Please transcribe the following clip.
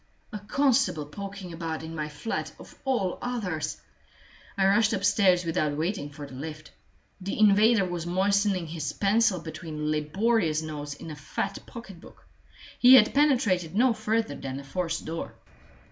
A constable poking about in my flat of all others! I rushed upstairs without waiting for the lift. The invader was moistening his pencil between laborious notes in a fat pocketbook; he had penetrated no further than the forced door.